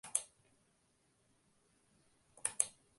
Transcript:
Mbali na hapo hupatikana kwa nadra sana.